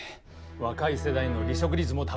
若い世代の離職率も高い。